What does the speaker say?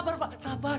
sabar pak sabar